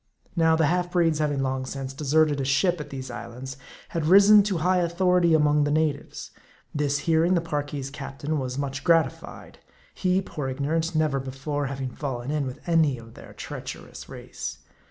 Now, the half breeds having long since deserted a ship at these islands, had risen to high authority among the na tives. This hearing, the Parki's captain was much gratified ; he, poor ignorant, never before having fallen in with any of their treacherous race.